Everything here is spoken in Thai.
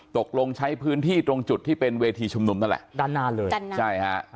ตกลงใช้พื้นที่ตรงจุดที่เป็นเวทีชุมนุมนั่นแหละด้านหน้าเลยใช่ฮะ